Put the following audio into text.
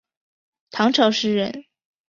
唐朝诗人。